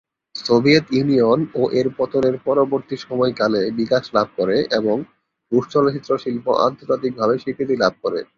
Soviet Union ও এর পতনের পরবর্তী সময়কালে বিকাশ লাভ করে এবং রুশ চলচ্চিত্র শিল্প আন্তর্জাতিকভাবে স্বীকৃতি লাভ করে।